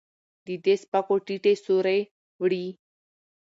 د دې سپکو ټيټې سورې وړي